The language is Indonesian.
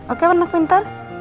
oke anak pintar